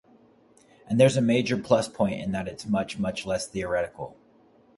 And there's a major plus point in that it's much, much less theoretical!